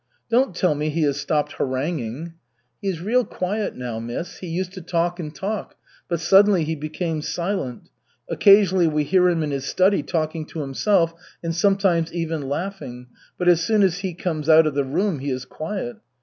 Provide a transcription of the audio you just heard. "Don't tell me he has stopped haranguing?" "He is real quiet now, miss. He used to talk and talk, but suddenly he became silent. Occasionally we hear him in his study talking to himself and sometimes even laughing, but as soon as he comes out of the room he is quiet.